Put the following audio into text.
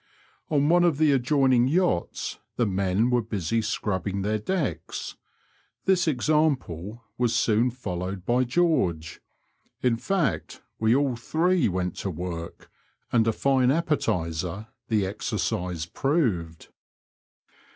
On one of the adjoining yachts the men were busy scrubbing their decks. This example was soon followed by George ; in fact, we all three went to work, and a fine appetiser the exercise proved.